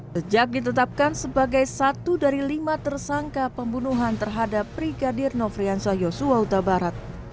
sejak ditetapkan sebagai satu dari lima tersangka pembunuhan terhadap brigadir nofrian sayosu wautabarat